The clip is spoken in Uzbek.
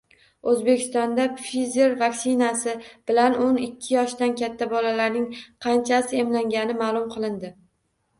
O‘zbekistonda Pfizer vaksinasi bilano´n ikkiyoshdan katta bolalarning qanchasi emlangani ma’lum qilindi